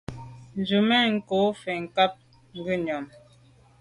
Tswemanko fo nkàb ngùyàm.